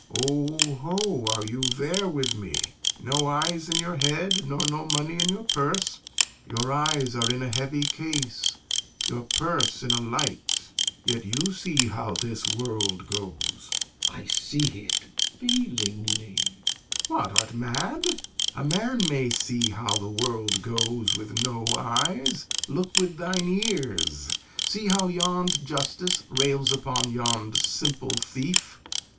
Lear. O, ho, are you there with me? No eyes in your head, nor no money in your purse? Your eyes are in a heavy case, your purse in a light. Yet you see how this world goes. Glou. I see it feelingly. Lear. What, art mad? A man may see how the world goes with no eyes. Look with thine ears. See how yond justice rails upon yond simple thief.